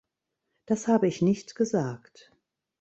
Das habe ich nicht gesagt.